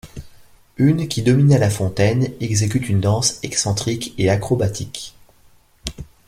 Une qui dominait la fontaine exécute une danse excentrique et acrobatique.